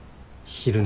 昼寝？